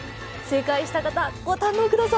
正解した方ご堪能ください！